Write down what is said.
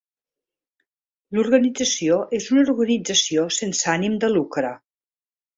L'organització és una organització sense ànim de lucre.